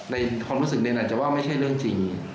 ในความรู้สึกเนรอาจจะว่าไม่ใช่เรื่องจริง